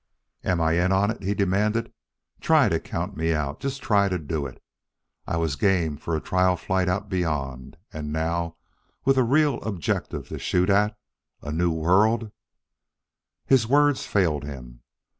"Am I in on it?" he demanded. "Try to count me out just try to do it! I was game for a trial flight out beyond. And now, with a real objective to shoot at a new world " His words failed him.